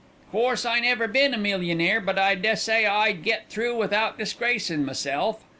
"Course I never been a millionaire, but I dessay I'd get through without disgracin' meself.